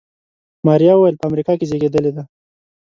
ماريا وويل په امريکا کې زېږېدلې ده.